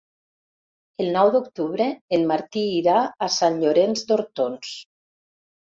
El nou d'octubre en Martí irà a Sant Llorenç d'Hortons.